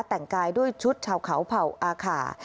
แต่งกายด้วยชุดชาวเขาเผ่าอาขา